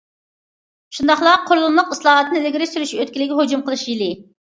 شۇنداقلا قۇرۇلمىلىق ئىسلاھاتنى ئىلگىرى سۈرۈش ئۆتكىلىگە ھۇجۇم قىلىش يىلى.